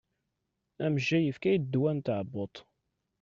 Amejjay yefka-yid ddwa n tɛebbuḍt.